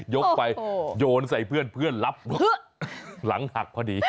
ยกไปโยนใส่เพื่อนเพื่อนรับหลังหักพอดี